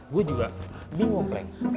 gua juga bingung prank